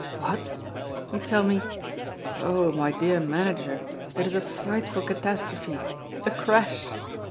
"What? you tell me " "Oh! my dear manager, it is a frightful catastrophe, a crash!"